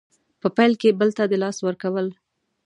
په پیل کې بل ته د لاس ورکول